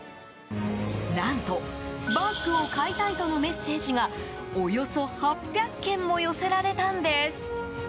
何と、バッグを買いたいとのメッセージがおよそ８００件も寄せられたんです。